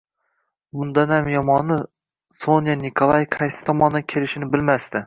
Bundanam yomoni, Sonya Nikolay qaysi tomondan kelishini bilmasdi